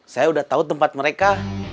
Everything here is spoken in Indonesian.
saya udah tahu tempat mereka